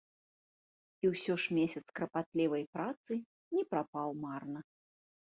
І ўсё ж месяц карпатлівай працы не прапаў марна.